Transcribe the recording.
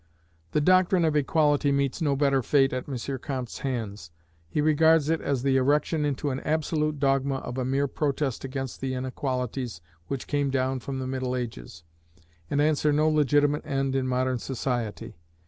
The doctrine of Equality meets no better fate at M. Comte's hands. He regards it as the erection into an absolute dogma of a mere protest against the inequalities which came down from the middle ages, and answer no legitimate end in modern society.